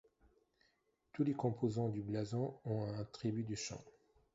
Tous les composants du blason ont un attribut de champ.